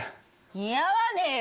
似合わねえよ！